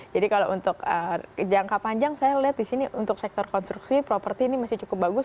kalau untuk jangka panjang saya lihat di sini untuk sektor konstruksi properti ini masih cukup bagus